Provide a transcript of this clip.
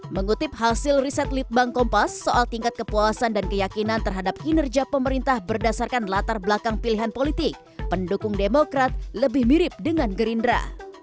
mengutip hasil riset litbang kompas soal tingkat kepuasan dan keyakinan terhadap kinerja pemerintah berdasarkan latar belakang pilihan politik pendukung demokrat lebih mirip dengan gerindra